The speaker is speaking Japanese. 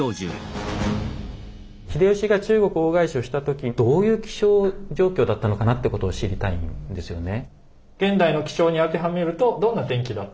秀吉が中国大返しをした時どういう気象状況だったのかなってことを知りたいんですよね。